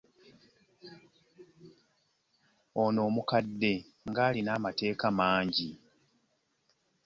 Ono omukadde nga alina amateeka mangi.